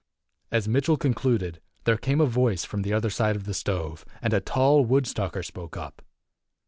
As Mitchell concluded, there came a voice from the other side of the stove, and a tall Woodstocker spoke up.